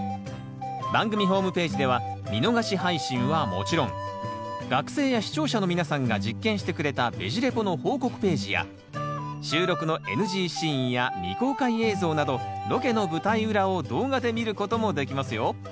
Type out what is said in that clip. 番組ホームページでは見逃し配信はもちろん学生や視聴者の皆さんが実験してくれた「ベジ・レポ」の報告ページや収録のＮＧシーンや未公開映像などロケの舞台裏を動画で見ることもできますよ。